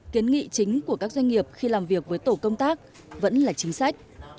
kiến nghị chính của các doanh nghiệp khi làm việc với tổ công tác vẫn là chính sách